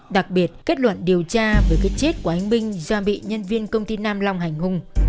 đặc biệt kết luận điều tra về cái chết của anh binh do bị nhân viên công ty nam long hành hùng